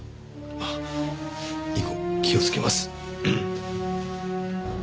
あっ以後気をつけます。